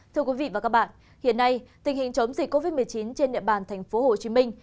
thưa quý vị và các bạn hiện nay tình hình chống dịch covid một mươi chín trên địa bàn thành phố hồ chí minh